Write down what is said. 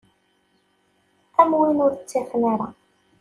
Am win ur ttafen ara.